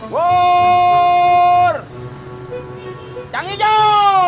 pur yang hijau